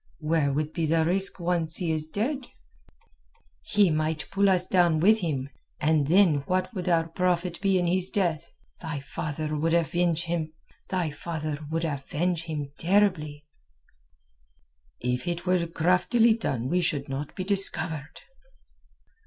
"Where would be the risk once he is dead?" "He might pull us down with him, and then what would our profit be in his death? Thy father would avenge him terribly." "If it were craftily done we should not be discovered."